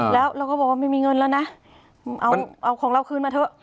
แล้วเราก็บอกว่าไม่มีเงินแล้วนะเอาของเราคืนมาเถอะ